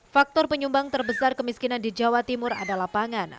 faktor penyumbang terbesar kemiskinan di jawa timur adalah pangan